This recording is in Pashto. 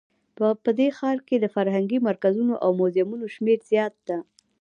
په دې ښار کې د فرهنګي مرکزونو او موزیمونو شمیر زیات ده